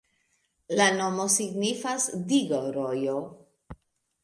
La nomo signifas digo-rojo.